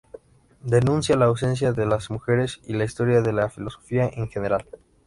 Denuncia la ausencia de las mujeres y la historia de la filosofía en general.